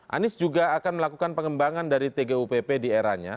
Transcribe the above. anies juga akan melakukan pengembangan dari tgupp di eranya